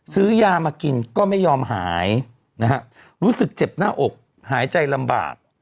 ซื้อยามากินก็ไม่ยอมหายนะฮะรู้สึกเจ็บหน้าอกหายใจลำบาก